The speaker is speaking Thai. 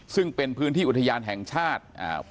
ซึ่งเป็นพื้นที่อุทยานแห่งชาติอ่า